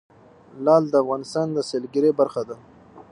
لعل د افغانستان د سیلګرۍ برخه ده.